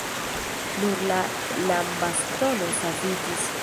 Nur la lambastono saviĝis.